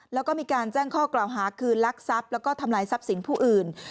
แล้วก็มีการแจ้งข้อกล่าวหาคือลักทรัพย์แล้วก็ทำลายทรัพย์สินผู้อื่น